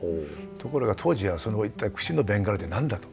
ところが当時はその一体久志の弁柄って何だと。